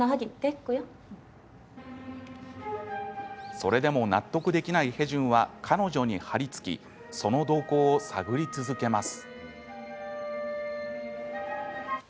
それでも納得できないヘジュンは彼女に張り付きその動向を探り続けます。